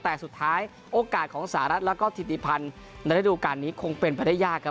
แต่สุดท้ายโอกาสของสหรัฐแล้วก็ถิติพันธ์ในระดูการนี้คงเป็นไปได้ยากครับ